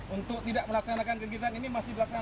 untuk tidak melaksanakan kegiatan ini masih dilaksanakan